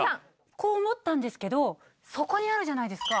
こう思ったんですけどそこにあるじゃないですか。